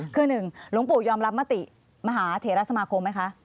คือ๑หลวงปู่ยอมรับมติมหาเถระสมาคมไหมคะ